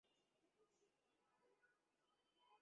আশা কেবলমাত্র বলিল, না।